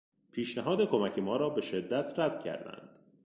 پیشنهاد کمک ما را به شدت رد کردند.